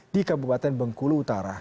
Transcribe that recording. di kabupaten bengkulu utara